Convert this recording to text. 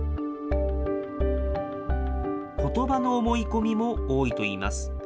ことばの思い込みも多いといいます。